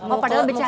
oh padahal bercanda